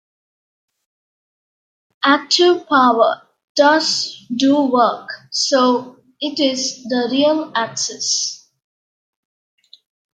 Active power does do work, so it is the real axis.